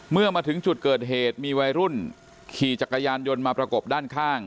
เมื่อมาถึงจุดเกิดเหตุมีวัยรุ่นขี่จักรยานยนต์มาประกบด้านข้าง